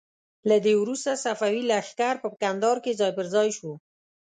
له دې وروسته صفوي لښکر په کندهار کې ځای په ځای شو.